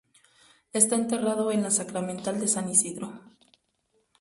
Está enterrado en la Sacramental de San Isidro.